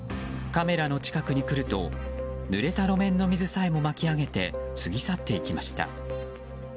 カメラの近くに来るとぬれた路面の水さえも巻き上げて過ぎ去っていきました。